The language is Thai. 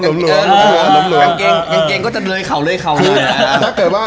กางเกงก็จะเลยเขานะ